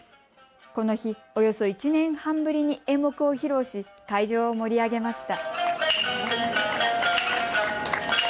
この日、およそ１年半ぶりに演目を披露し会場を盛り上げました。